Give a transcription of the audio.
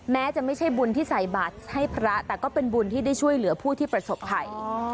แม้จะไม่ใช่บุญที่ใส่บาทให้พระแต่ก็เป็นบุญที่ได้ช่วยเหลือผู้ที่ประสบภัย